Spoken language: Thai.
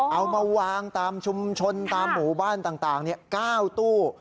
เอามาวางตามชุมชนตามหมู่บ้านต่าง๙ตู้